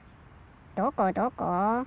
どこどこ？